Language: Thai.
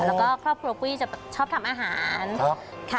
แล้วก็ครอบครัวกุ้ยจะชอบทำอาหารค่ะ